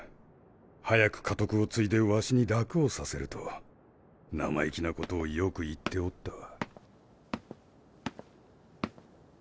早く家督を継いで儂に楽をさせると生意気なことをよく言っておったわ。